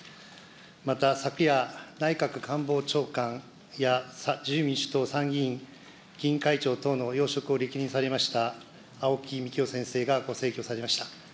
また昨夜、内閣官房長官や自由民主党参議院議員会長等の要職を歴任されました、青木幹雄先生がご逝去されました。